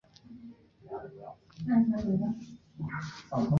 随后的法国二月革命更是将革命浪潮波及到几乎全欧洲。